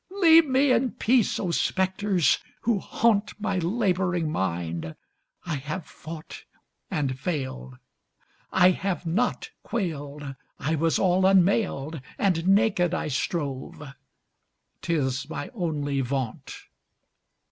Leave me in peace, O Spectres, who haunt My labouring mind, I have fought and failed. I have not quailed, I was all unmailed And naked I strove, 'tis my only vaunt.